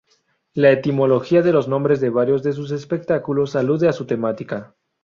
La etimología de los nombres de varios de sus espectáculos alude a su temática.